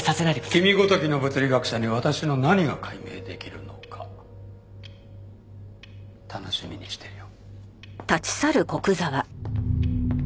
君ごときの物理学者に私の何が解明できるのか楽しみにしてるよ。